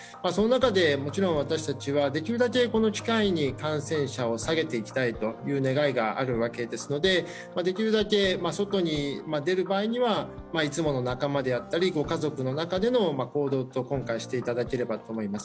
もちろん私たちはできるだけこの機会に感染者を下げていきたい願いがあるわけですのでできるだけ外に出る場合にはいつもの仲間であったりとか、ご家族の中での行動とかにしていただければと思います。